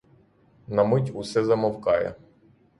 На мить усе замовкає.